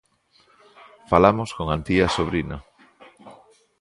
Falamos con Antía Sobrino.